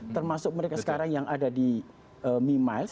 termasuk mereka sekarang yang ada di mimiles